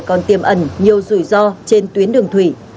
còn tiềm ẩn nhiều rủi ro trên tuyến đường thủy